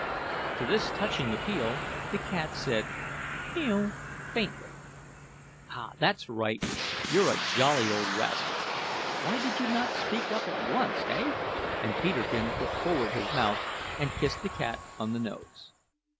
To this touching appeal the cat said "mew" faintly. "Ah, that's right! You're a jolly old rascal! Why did you not speak at once, eh?" and Peterkin put forward his mouth and kissed the cat on the nose!